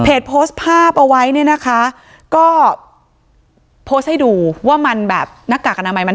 เอาไว้เนี่ยนะคะก็โพส์ให้ดูว่ามันแบบนักกากนามัยมัน